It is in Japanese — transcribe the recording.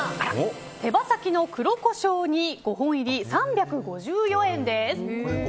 手羽先の黒胡椒煮５本入り３５４円です。